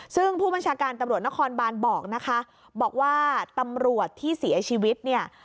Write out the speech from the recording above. ซึ่งผู้บัญชาการตำรวจนครบานบอกนะคะบอกว่าตำรวจที่เสียชีวิตเนี่ย